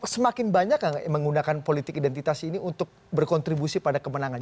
semakin banyak yang menggunakan politik identitas ini untuk berkontribusi pada kemenangan